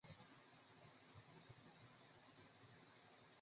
本列表为新界区专线小巴路线的一览表。